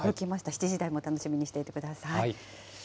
７時台も楽しみにしていてください。